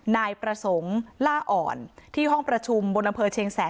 นายประสงค์ล่าอ่อนที่ห้องประชุมบนอำเภอเชียงแสน